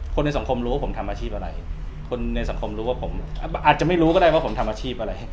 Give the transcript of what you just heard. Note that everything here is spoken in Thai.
คนในสังคมรู้ว่าผมทำอาชีพอะไรคนในสังคมรู้ว่าผมอาจจะไม่รู้ก็ได้ว่าผมทำอาชีพอะไร